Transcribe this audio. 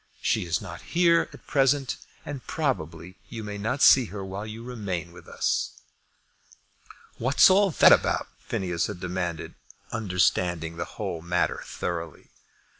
She is not here at present, and probably you may not see her while you remain with us." "What's all that about?" Phineas had demanded, understanding the whole matter thoroughly.